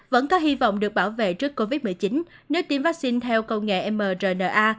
vẫn có hy vọng được bảo vệ trước covid một mươi chín nếu tiêm vaccine theo công nghệ mrna